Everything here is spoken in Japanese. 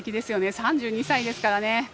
３２歳ですからね。